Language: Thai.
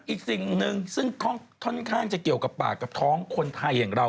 อีกสิ่งหนึ่งซึ่งค่อนข้างจะเกี่ยวกับปากกับท้องคนไทยอย่างเรา